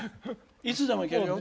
いつでもいけるよ。